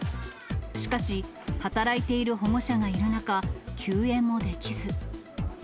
しかし、働いている保護者がいる中、休園もできず。